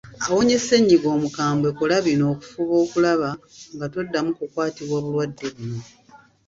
Awonye Ssennyiga omukambwe kola bino okufuba okulaba nga toddamu kukwatibwa bulwadde buno.